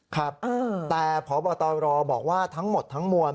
ครับแต่พบตรบอกว่าทั้งหมดทั้งมวล